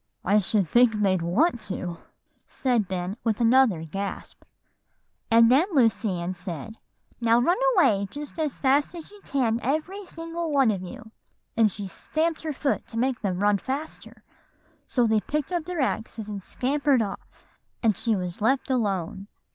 "I should think they'd want to," said Ben with another gasp. "And then Lucy Ann said, 'Now run away, just as fast as you can, every single one of you;' and she stamped her foot to make them run faster; so they picked up their axes and scampered off, and she was left alone.